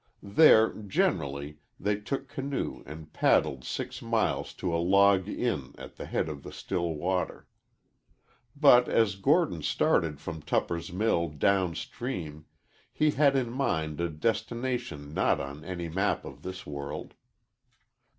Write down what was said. There, generally, they took canoe and paddled six miles to a log inn at the head of the still water. But as Gordon started from Tupper's Mill down stream he had in mind a destination not on any map of this world.